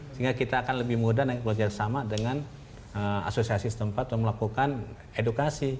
sehingga kita akan lebih mudah dan bekerjasama dengan asosiasi setempat untuk melakukan edukasi